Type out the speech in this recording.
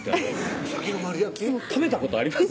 食べたことあります？